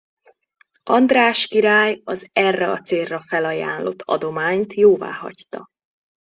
András király az erre a célra felajánlott adományt jóváhagyta.